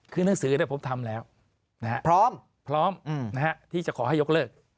คือหน้าสือนั้นผมทำแล้วนะครับพร้อมนะครับที่จะขอให้ยกเลิก